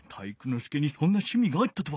介にそんなしゅみがあったとは！